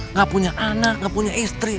nggak punya anak nggak punya istri